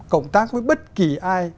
cộng tác với bất kỳ ai